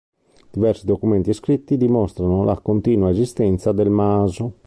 Diversi documenti e scritti dimostrano la continua esistenza del maso.